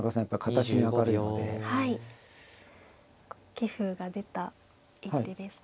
棋風が出た一手ですか。